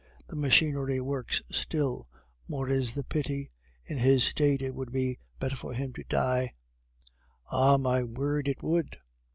"The machinery works still; more is the pity, in his state it would be better for him to die." "Ah! my word, it would!"